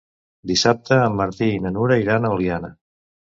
Dissabte en Martí i na Nura iran a Oliana.